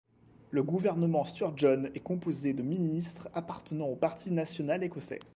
Le gouvernement Sturgeon est composé de ministres appartenant au Parti national écossais.